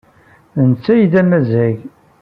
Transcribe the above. D netta ay d amazzag.